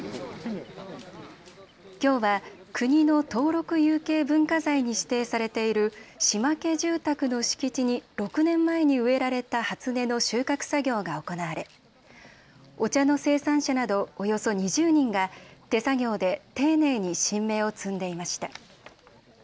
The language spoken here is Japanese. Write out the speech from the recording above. きょうは国の登録有形文化財に指定されている島家住宅の敷地に６年前に植えられた初音の収穫作業が行われ、お茶の生産者などおよそ２０人が手作業で丁寧に新芽を摘んでいました。